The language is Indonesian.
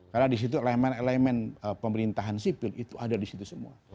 karena disitu elemen elemen pemerintahan sipil itu ada disitu semua